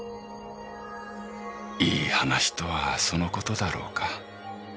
いい話とはその事だろうか？